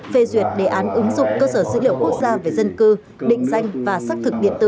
phê duyệt đề án ứng dụng cơ sở dữ liệu quốc gia về dân cư định danh và xác thực điện tử